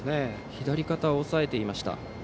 左肩を押さえていました。